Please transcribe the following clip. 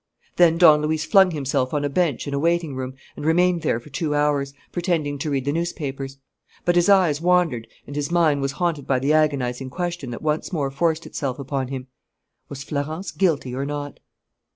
Then Don Luis flung himself on a bench in a waiting room and remained there for two hours, pretending to read the newspapers. But his eyes wandered and his mind was haunted by the agonizing question that once more forced itself upon him: was Florence guilty or not?